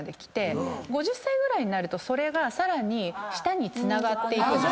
５０歳ぐらいになるとそれがさらに下につながっていく。